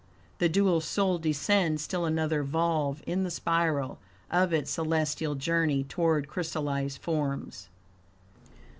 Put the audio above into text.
The dual soul descends still another volve in the spiral of its celestial journey toward crystallized forms.